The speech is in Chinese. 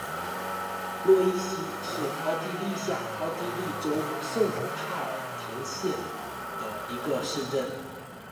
洛伊希是奥地利下奥地利州圣帕尔滕兰县的一个市镇。